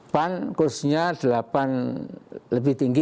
pan kursnya delapan lebih tinggi